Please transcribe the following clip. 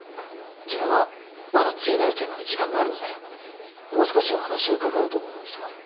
自分はまだ次の予定まで時間があるのでもう少しお話を伺おうと思うのですが。